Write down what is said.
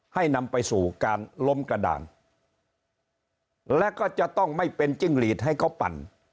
นำไปสู่การล้มกระดานและก็จะต้องไม่เป็นจิ้งหลีดให้เขาปั่น